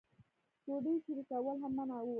ډوډۍ شریکول هم منع وو.